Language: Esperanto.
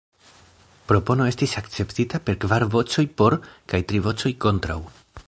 Propono estis akceptita per kvar voĉoj "por" kaj tri voĉoj "kontraŭ".